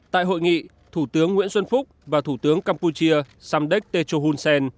tại hội nghị thủ tướng nguyễn xuân phúc và thủ tướng campuchia samdek techo hun sen